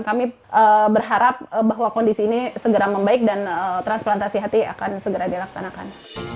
kami berharap bahwa kondisi ini segera membaik dan transplantasi hati akan segera dilaksanakan